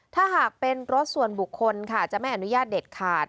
ถ้าหากเป็นรถส่วนบุคคลค่ะจะไม่อนุญาตเด็ดขาด